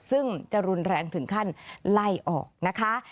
ซึ่งจะรุนแรงถึงขั้นไล่ออกนะคะ